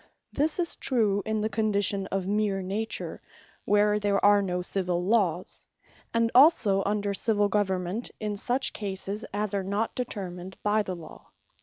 This is true in the condition of meer Nature, where there are no Civill Lawes; and also under Civill Government, in such cases as are not determined by the Law.